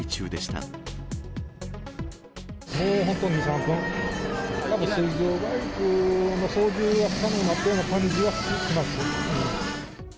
たぶん、水上バイクの操縦が不可能になったような感じはします。